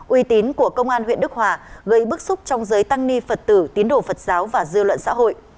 uy tín của công an huyện đức hòa gây bức xúc trong giới tăng ni phật tử tín đồ phật giáo và dư luận xã hội